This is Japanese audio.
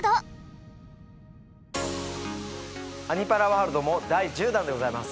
「アニ×パラワールド」も第１０弾でございます。